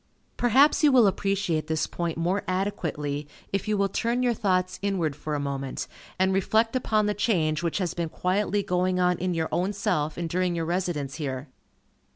Perhaps you will appreciate this point more adequately, if you will turn your thoughts inward for a moment, and reflect upon the change which has been quietly going on in your own self and during your residence here.